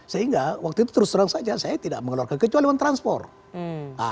sehingga waktu itu terus terang saja saya tidak mengeluarkan kecuali mentransport